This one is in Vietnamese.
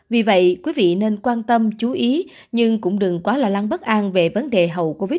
vì vậy quý vị nên quan tâm chú ý nhưng cũng đừng quá là lăn bất an về vấn đề hầu covid một mươi chín quý vị nhé